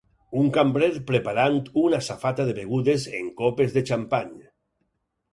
Un cambrer preparant una safata de begudes en copes de xampany.